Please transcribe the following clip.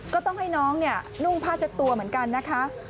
ก็ต้องให้น้องเนี่ยนุ่งพาชัดตัวเหมือนกันนะคะ